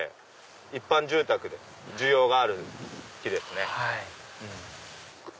一般住宅でも需要がある木ですね。